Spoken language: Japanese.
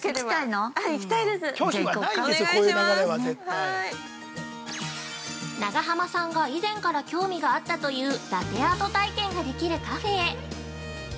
◆長濱さんが、以前から興味があったというラテアート体験ができるカフェへ。